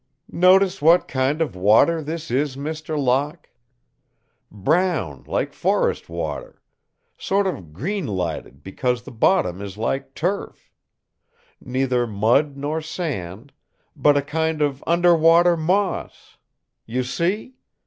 "Notice what kind of water this is, Mr. Locke? Brown like forest water, sort of green lighted because the bottom is like turf; neither mud nor sand, but a kind of under water moss? You see?